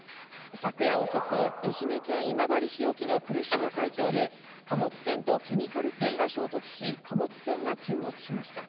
昨夜遅く、愛媛県今治市沖の来島海峡で貨物船とケミカル船が衝突し貨物船が沈没しました。